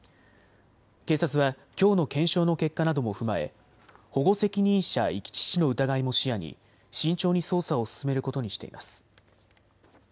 警察はきょうの検証の結果なども踏まえ保護責任者遺棄致死の疑いも視野に慎重に捜査を進めることにしています。